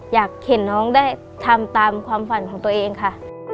อยากเห็นน้องได้ทำตามความฝันของตัวเองค่ะ